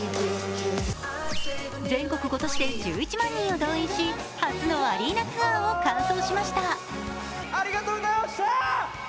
全国５都市で１１万人を動員し初のアリーナツアーを完走しました。